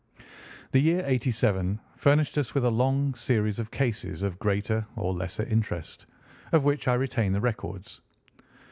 The year '87 furnished us with a long series of cases of greater or less interest, of which I retain the records.